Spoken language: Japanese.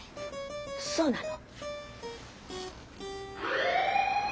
そうなの。